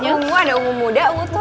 umu ada umu muda umu tua